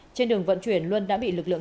trên đường vận chuyển luân đã bị lực lượng